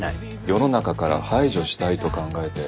世の中から排除したいと考えて。